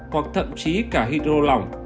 hoặc thậm chí cả hydro lỏng